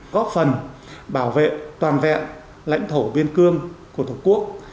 góp phần bảo vệ toàn vẹn lãnh thổ biên cương của tổ quốc